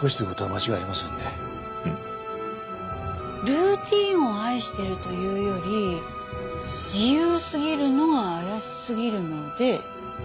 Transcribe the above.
ルーティンを愛してるというより自由すぎるのが怪しすぎるので。